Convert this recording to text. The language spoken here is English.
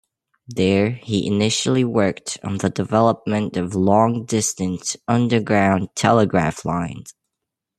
There, he initially worked on the development of long distance underground telegraph lines.